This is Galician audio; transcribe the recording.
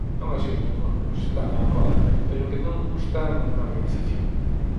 Non así os monólogos, tan á moda pero que non gustan na organización.